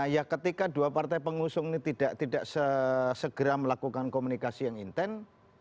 ya ketika dua partai pengusung ini tidak segera melakukan komunikasi yang intent